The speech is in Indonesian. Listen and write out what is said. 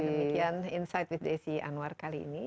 demikian insight with desi anwar kali ini